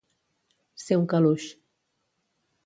Ser un caluix.